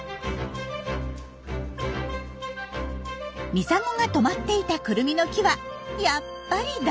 ミサゴが止まっていたクルミの木はやっぱり大人気。